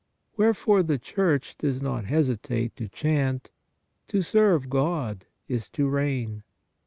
Wherefore the Church does not hesitate to chant :" To serve God is to reign."